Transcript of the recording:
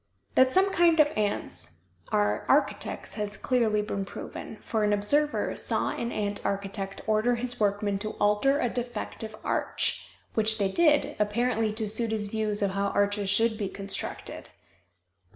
That some kinds of ants are architects has been clearly proven, for an observer saw an ant architect order his workmen to alter a defective arch, which they did, apparently to suit his views of how arches should be constructed!